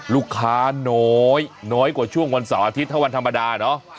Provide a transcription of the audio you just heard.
ลูกค้าน้อยน้อยกว่าช่วงวันเสาร์อาทิตย์ถ้าวันธรรมดาเนอะ